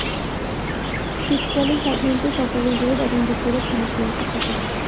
শীতকালে সাধারণত সকালে রোদ এবং দুপুরে ঘন কুয়াশা থাকে।